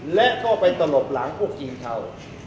และก็ไปตลบหลังพวกกินเทา